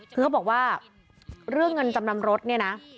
คือเขาบอกว่าเรื่องเงินจำนำรถเนี่ยนะ